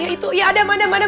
ya itu ya ada ada ada